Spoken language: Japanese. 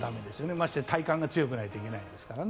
ましてや体幹が強くないといけないですからね。